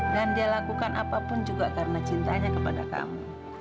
dan dia lakukan apapun juga karena cintanya kepada kamu